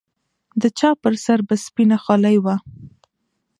د چا پر سر به سپينه خولۍ وه.